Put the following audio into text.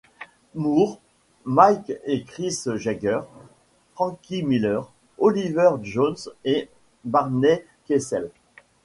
Moore, Mick et Chris Jagger, Frankie Miller, Oliver Jones et Barney Kessel.